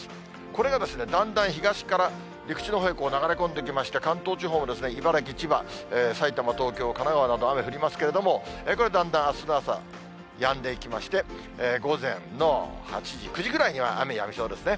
これがだんだん東から陸地のほうへ流れ込んできまして、関東地方も茨城、千葉、埼玉、東京、神奈川など、雨降りますけれども、これだんだんあすの朝、やんでいきまして、午前の８時、９時ぐらいには、雨やみそうですね。